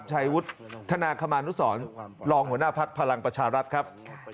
ชัยวุฒิธนาคมานุสรรองหัวหน้าภักดิ์พลังประชารัฐครับ